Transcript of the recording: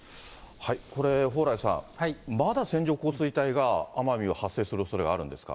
これ、蓬莱さん、まだ線状降水帯が奄美は発生するおそれがあるんですか。